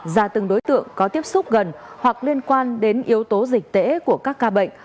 ra từng đối tượng có tiếp xúc gần hoặc liên quan đến yếu tố dịch tễ của các ca bệnh